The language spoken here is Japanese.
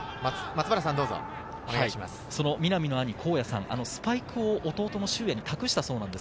南の兄・豪哉さん、スパイクを弟の周哉に託したそうなんです。